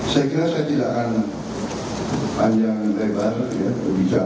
saya kira saya tidak akan panjang lebar berbicara